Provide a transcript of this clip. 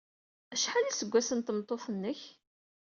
Acḥal iseggasen n tmeṭṭut-nnek?